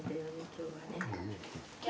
今日はね。